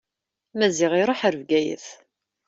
Maziɣ iruḥ ɣer Bgayet.